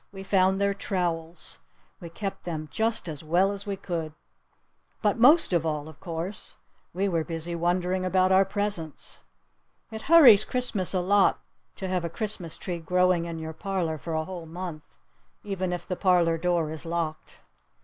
We found their trowels. We kept them just as well as we could. But, most of all, of course, we were busy wondering about our presents. It hurries Christmas a lot to have a Christmas tree growing in your parlor for a whole month. Even if the parlor door is locked.